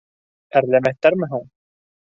- Әрләмәҫтәрме һуң?